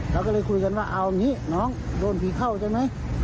เราก็เลยคุยกันว่าเอาอย่างนี้น้องโดนผีเข้าใช่ไหม